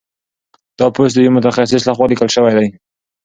دا پوسټ د یو متخصص لخوا لیکل شوی دی.